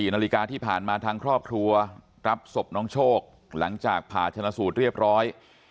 นาฬิกาที่ผ่านมาทางครอบครัวรับศพน้องโชคหลังจากผ่าชนะสูตรเรียบร้อย